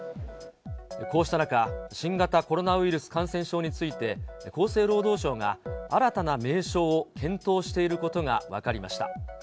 こうした中、新型コロナウイルス感染症について、厚生労働省が新たな名称を検討していることが分かりました。